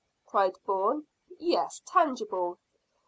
cried Bourne. "Yes; tangible."